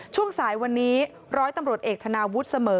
ช่วงสายวันนี้ร้อยตำรวจเอกธนาวุฒิเสมอ